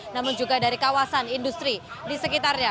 namun juga dari kawasan industri di sekitarnya